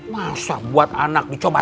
masa buat anak dicoba